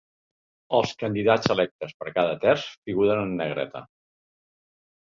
Els candidats electes per cada terç figuren en negreta.